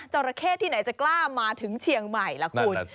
ราเข้ที่ไหนจะกล้ามาถึงเชียงใหม่ล่ะคุณ